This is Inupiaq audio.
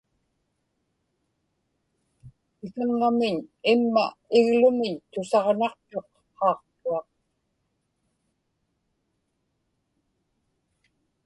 pikaŋŋamiñ imma iglumiñ tusaġnaqtuq qaaqtuaq